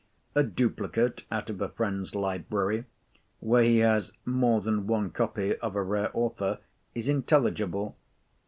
A duplicate out of a friend's library (where he has more than one copy of a rare author) is intelligible.